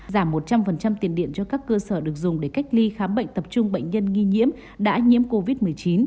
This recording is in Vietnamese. giảm một trăm linh tiền điện cho các cơ sở được dùng để cách ly khám bệnh tập trung bệnh nhân nghi nhiễm đã nhiễm covid một mươi chín